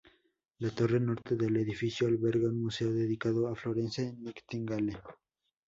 La torre norte del edificio alberga un museo dedicado a Florence Nightingale.